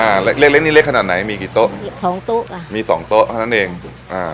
เล็กเล็กนี่เล็กขนาดไหนมีกี่โต๊ะสองโต๊ะอ่ะมีสองโต๊ะเท่านั้นเองอ่า